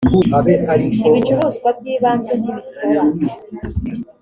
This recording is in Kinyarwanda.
ibicuruzwa byibanze ntibisora.